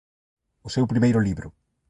O seu primeiro libro.